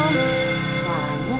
suaranya sepenuhnya tidak berguna ma